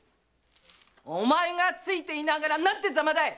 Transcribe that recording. お前がついていながら何てザマだい！